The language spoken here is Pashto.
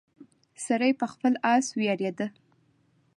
سړی په خپل اس ویاړیده.